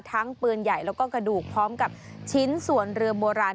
ปืนใหญ่แล้วก็กระดูกพร้อมกับชิ้นส่วนเรือโบราณ